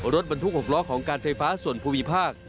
รถบรรทุก๖ล้อของการไฟฟ้าส่วนภูมิภาค